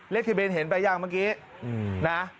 ทะเบียนเห็นไปยังเมื่อกี้นะ